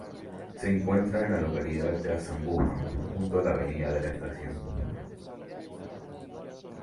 Se encuentra en la localidad de Azambuja, junto a la Avenida de la Estación.